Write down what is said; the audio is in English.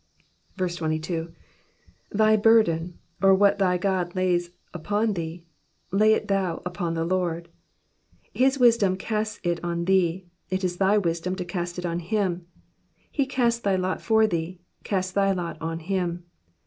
22. ^^Thyburdeny^^ or what thy God lays upon thee, lay thou it ^^ upon the Lord,^'' His wisdom casts it on thee, it is thy wisdom to cast it on him. He cast thy lot for thee, cast thy lot on him.